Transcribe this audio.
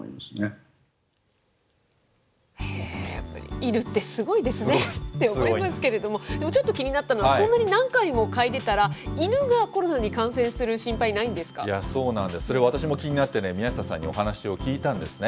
犬ってすごいですねって思いますけれども、でもちょっと気になったのは、そんなに何回も嗅いでたら、犬がコロナに感染する心配ないんですいや、そうなんです、それ私も気になってね、宮下さんにお話を聞いたんですね。